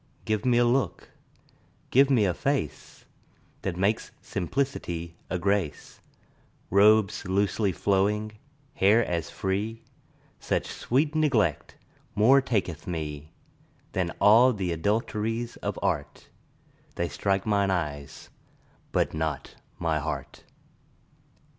Give me a look, give me a face That makes simplicity a grace; Robes loosely flowing, hair as free: Such sweet neglect more taketh me 10 Than all th' adulteries of art; They strike mine eyes, but not my heart.